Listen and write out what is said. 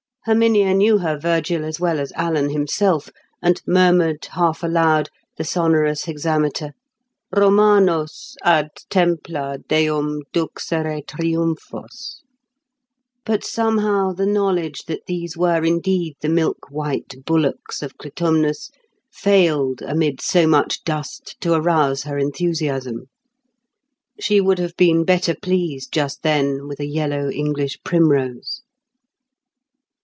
Herminia knew her Virgil as well as Alan himself, and murmured half aloud the sonorous hexameter, "Romanos ad templa deum duxere triumphos." But somehow, the knowledge that these were indeed the milk white bullocks of Clitumnus failed amid so much dust to arouse her enthusiasm. She would have been better pleased just then with a yellow English primrose.